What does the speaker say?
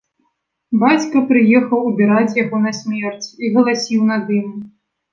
Бацька прыехаў убіраць яго на смерць і галасіў над ім.